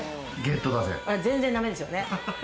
全然駄目ですよね。